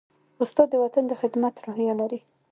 استاد د وطن د خدمت روحیه لري.